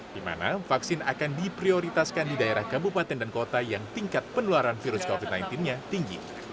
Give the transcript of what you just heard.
di mana vaksin akan diprioritaskan di daerah kabupaten dan kota yang tingkat penularan virus covid sembilan belas nya tinggi